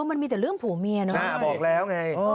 มันมีแต่เรื่องผัวเมียเนอะบอกแล้วไง